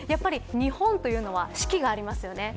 そして、日本というのは四季がありますよね。